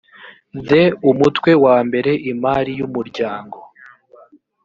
the umutwe wa mbere imari y umuryango